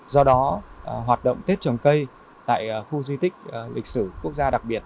do đó hoạt động tết trồng cây tại khu di tích lịch sử quốc gia đặc biệt